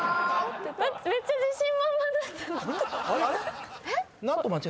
めっちゃ自信満々だったのに。